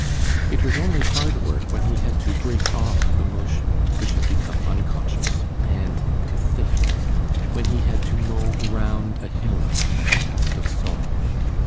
It was only hard work when he had to break off the motion, which had become unconscious, and to think; when he had to mow round a hillock or a tuft of sorrel.